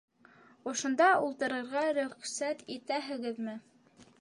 — Ошонда ултырырға рөхсәт итәһегеҙме?